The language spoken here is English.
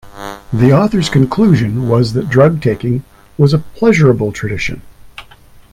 The authors' conclusion was that drug-taking was a pleasurable tradition.